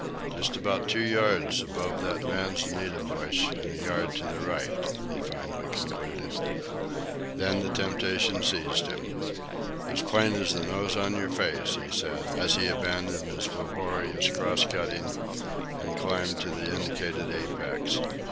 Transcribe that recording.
"Just about two yards above that manzanita bush an' a yard to the right," he finally concluded. Then the temptation seized him. "As plain as the nose on your face," he said, as he abandoned his laborious cross cutting and climbed to the indicated apex.